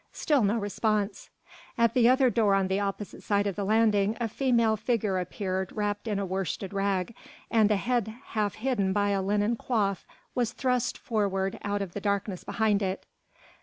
Still no response. At the other door on the opposite side of the landing a female figure appeared wrapped in a worsted rag, and a head half hidden by a linen coif was thrust forward out of the darkness behind it.